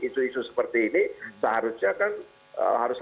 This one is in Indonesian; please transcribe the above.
isu isu seperti ini seharusnya kan harus